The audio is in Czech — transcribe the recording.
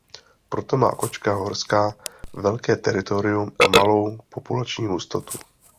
Proto má kočka horská velké teritorium a malou populační hustotu.